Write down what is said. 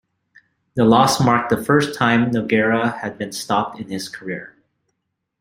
The loss marked the first time Nogueira had been stopped in his career.